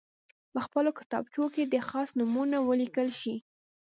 په خپلو کتابچو کې دې خاص نومونه ولیکل شي.